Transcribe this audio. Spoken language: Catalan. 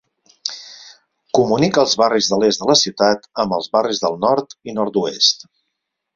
Comunica els barris de l'est de la ciutat amb els barris del nord i nord-oest.